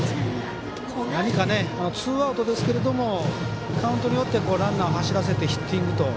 何か、ツーアウトですがカウントによってランナーを走らせてヒッティング。